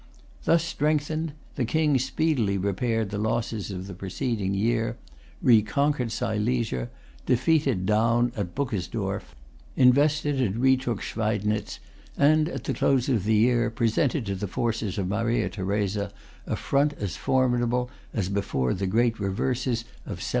Thus strengthened, the King speedily repaired the losses of the preceding year, reconquered Silesia, defeated Daun at Buckersdorf, invested and retook Schweidnitz, and, at the close of the year, presented to the forces of Maria Theresa a front as formidable as before the great reverses of 1759.